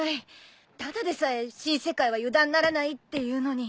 ただでさえ新世界は油断ならないっていうのに。